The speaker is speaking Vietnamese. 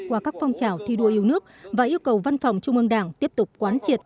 qua các phong trào thi đua yêu nước và yêu cầu văn phòng trung ương đảng tiếp tục quán triệt